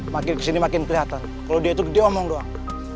makin kesini makin keliatan kalo dia itu dia omong doang